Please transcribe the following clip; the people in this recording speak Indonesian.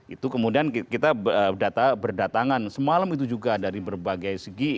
itu kemudian kita berdatangan semalam itu juga dari berbagai segi